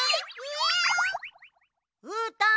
うーたん